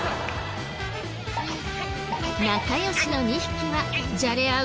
仲良しの２匹はじゃれ合うのが大好き。